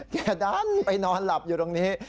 ดันไปนอนหลับอยู่ตรงนี้